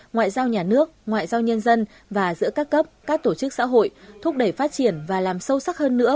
ngoại giao nhà nước ngoại giao nhân dân và giữa các cấp các tổ chức xã hội thúc đẩy phát triển và làm sâu sắc hơn nữa